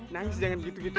nangis jangan gitu gitu